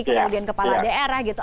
kemudian kepala daerah gitu